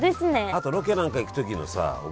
あとロケなんか行くときのさお